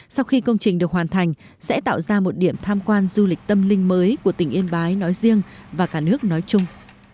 sau khi công trình được hoàn thành sẽ tạo ra một điểm tham quan du lịch tâm linh mới của tỉnh yên bái nói riêng và cả nước nói chung